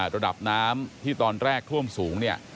ระดับน้ำที่ตอนแรกท่วมสูงเนี่ย